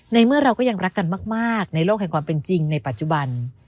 เมื่อเราก็ยังรักกันมากในโลกแห่งความเป็นจริงในปัจจุบัน